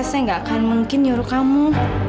saya gak akan mungkin nyuruh kamu